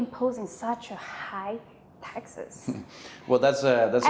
menilai tax yang sangat tinggi